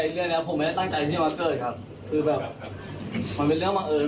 แต่อีกเรื่องเนี้ยผมไม่ได้ตั้งใจพี่มาสเกิดครับคือแบบมันเป็นเรื่องมั่งเอิญ